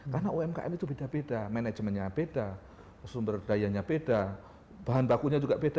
karena umkm itu beda beda manajemennya beda sumber dayanya beda bahan bakunya juga beda